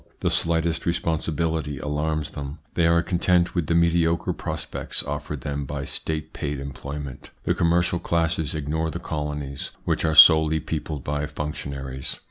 The slightest reponsibility alarms them. They are content with ITS INFLUENCE ON THEIR EVOLUTION 221 the mediocre prospects offered them by State paid employment. The commercial classes ignore the colonies, which are solely peopled by functionaries.